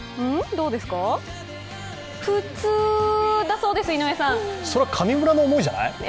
普通だそうです、井上さん。それは上村の思いじゃない？